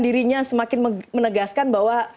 dirinya semakin menegaskan bahwa